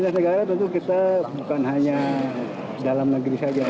lintas negara tentu kita bukan hanya dalam negeri saja